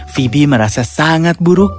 phoebe merasa sangat buruk